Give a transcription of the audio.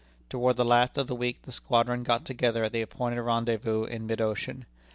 Toward the last of the week the squadron got together at the appointed rendezvous in mid ocean.